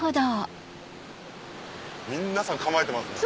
皆さん構えてますね。